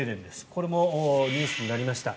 これもニュースになりました。